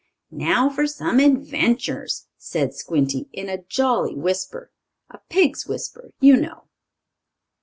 "Now for some adventures!" said Squinty, in a jolly whisper a pig's whisper, you know.